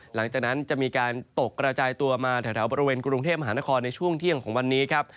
หลังจากนั้นจะมีการตกกระจายตัวมาแถวบริเวณกรุงเทพมหานครในช่วงเที่ยงของวันนี้ครับ